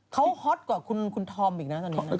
เขาฮอตกว่าคุณธอมอีกนะตอนนี้นะ